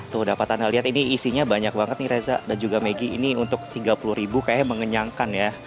tuh dapat anda lihat ini isinya banyak banget nih reza dan juga maggie ini untuk tiga puluh ribu kayaknya mengenyangkan ya